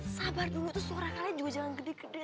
sabar dulu terus suara kalian juga jangan gede gede